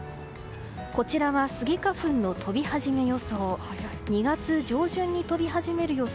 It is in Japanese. こちらはスギ花粉の飛び始め予想。